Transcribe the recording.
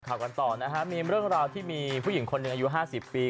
กันต่อนะฮะมีเรื่องราวที่มีผู้หญิงคนหนึ่งอายุ๕๐ปี